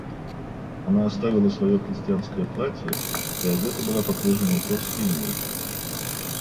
Она оставила свое крестьянское платье и одета была по-прежнему просто и мило.